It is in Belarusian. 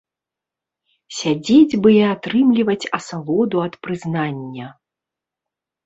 Сядзець бы і атрымліваць асалоду ад прызнання.